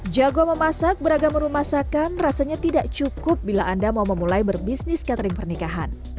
jago memasak beragam rumah masakan rasanya tidak cukup bila anda mau memulai berbisnis catering pernikahan